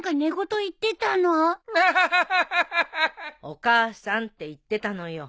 「お母さん」って言ってたのよ。